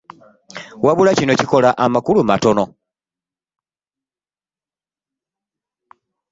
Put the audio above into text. Wabula kino kikola amakulu matono